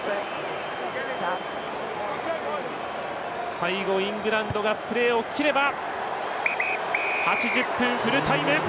最後、イングランドがプレーを切って８０分フルタイム。